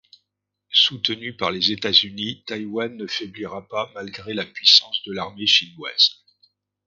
Soutenue par les États-Unis, Taïwan ne faiblira pas malgré la puissance de l'armée chinoise.